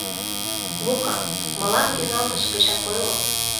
Лука, мылам тӱҥалтыш гычак ойло.